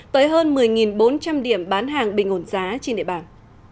tới hơn một mươi bốn trăm linh điểm bán hàng bình ổn giá trên địa bàn